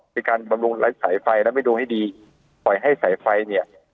เป็นการบำรุงสายไฟแล้วไปดูให้ดีปล่อยให้สายไฟเนี่ย